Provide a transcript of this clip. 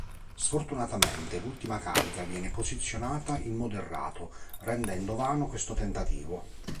Sfortunatamente, l'ultima carica viene posizionata in modo errato rendendo vano questo tentativo.